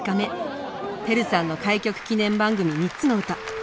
輝さんの開局記念番組「三つの歌」